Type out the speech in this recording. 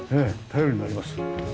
頼りになります。